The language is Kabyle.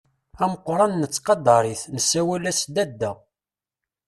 Ameqqran nettqadar-it, nessawal-as Dadda.